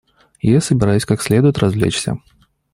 И я собираюсь как следует развлечься.